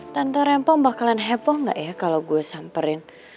tante rempong bakalan heboh gak ya kalo gue samperin